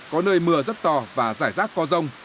có nơi mưa rất to và rải rác có rông